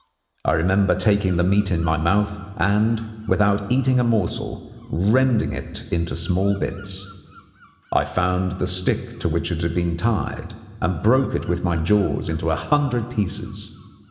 I remember taking the meat in my mouth and, without eating a morsel, rending it into small bits. I found the stick to which it had been tied and broke it with my jaws into a hundred pieces.